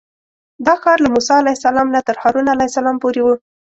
دا ښار له موسی علیه السلام نه تر هارون علیه السلام پورې و.